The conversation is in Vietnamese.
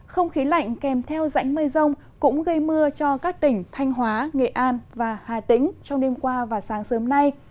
không khí lạnh kèm theo rãnh mây rông cũng gây mưa cho các tỉnh thanh hóa nghệ an và hà tĩnh trong đêm qua và sáng sớm nay